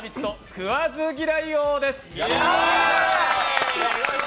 食わず嫌い王」です。